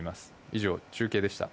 以上、中継でした。